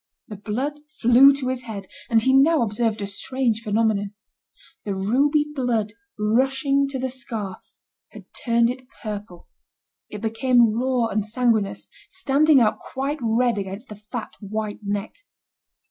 The blood flew to his head, and he now observed a strange phenomenon. The ruby flood rushing to the scar had turned it purple, it became raw and sanguineous, standing out quite red against the fat, white neck.